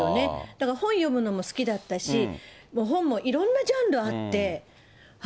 だから本読むのも好きだったし、本もいろんなジャンルがあって。